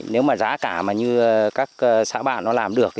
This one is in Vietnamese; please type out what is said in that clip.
nếu mà giá cả mà như các xã bạn nó làm được